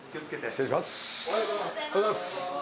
失礼します。